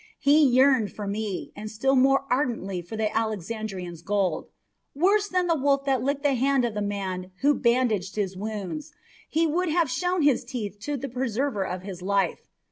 He yearned for me, and still more ardently for the Alexandrians' gold. Worse than the wolf that licked the hand of the man who bandaged its wounds, he would have shown his teeth to the preserver of his life.